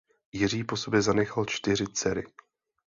Jiří po sobě zanechal čtyři dcery.